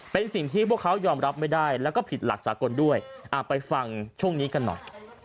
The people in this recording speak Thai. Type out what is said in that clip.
เป็นสิ่งที่พวกเขายอมรับไม่ได้แล้วก็ผิดหลักสากลด้วยไปฟังช่วงนี้กันหน่อย